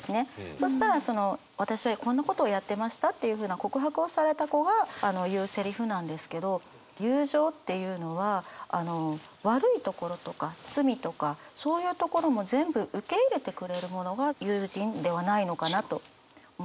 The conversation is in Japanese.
そしたらその私こんなことやってましたっていうふうな告白をされた子が言うセリフなんですけど友情っていうのは悪いところとか罪とかそういうところも全部受け入れてくれる者が友人ではないのかなと思うんですよね。